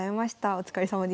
お疲れさまでした。